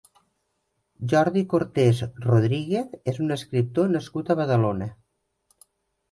Jordi Cortès Rodríguez és un escriptor nascut a Badalona.